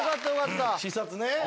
視察ね。